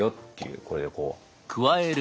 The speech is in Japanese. これでこう。